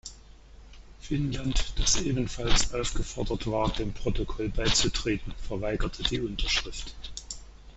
Finnland, das ebenfalls aufgefordert war, dem Protokoll beizutreten, verweigerte die Unterschrift.